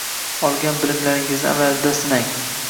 Olgan bilimlaringizni amalda sinang.